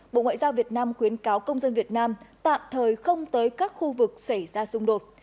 bộ ngoại giao việt nam khuyến cáo công dân việt nam tạm thời không tới các khu vực xảy ra xung đột